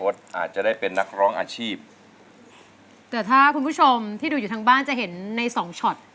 แต่ถ้าคุณผู้ชมที่ดูทั้งบ้านจะเห็นใน๒ชอต